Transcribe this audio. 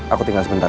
aku tinggal sebentar